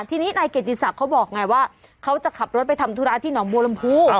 ทีนี้นายเกจจิศัพท์เขาบอกไงว่าเขาจะขับรถไปทำธุระที่หน่อมวลมพู